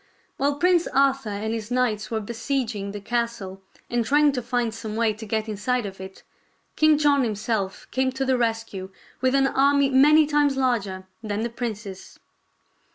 While Prince Arthur and his knights were besieg ing the castle and trying to find some way to get inside of it. King John himself came to the rescue with an army many times larger than the prince's.